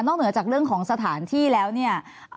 เหนือจากเรื่องของสถานที่แล้วเนี่ย